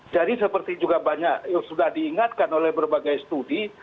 jadi seperti juga banyak sudah diingatkan oleh berbagai studi